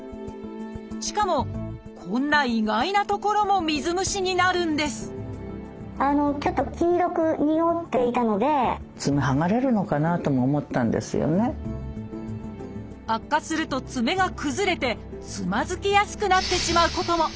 しかもこんな意外な所も水虫になるんです悪化すると爪が崩れてつまずきやすくなってしまうことも。